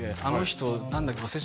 あの人何だっけ？